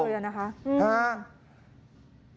ไฟของมะบุตรเลยนะครับ